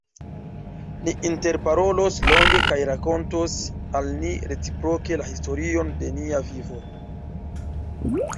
Ni interparolos longe kaj rakontos al ni reciproke la historion de nia vivo.